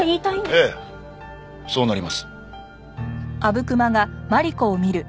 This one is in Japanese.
ええそうなります。